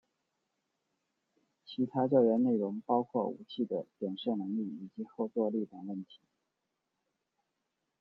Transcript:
其他调研内容包括武器的点射能力以及后座力等问题。